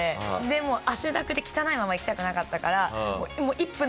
でもう汗だくで汚いまま行きたくなかったから。